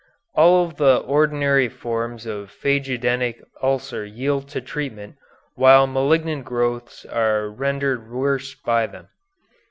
All the ordinary forms of phagedenic ulcer yield to treatment, while malignant growths are rendered worse by them.